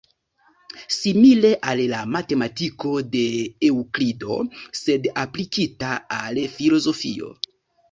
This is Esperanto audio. Simile al la matematiko de Eŭklido, sed aplikita al filozofio.